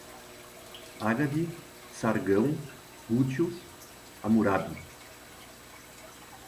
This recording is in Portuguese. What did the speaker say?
Ágade, Sargão, gútios, Hamurábi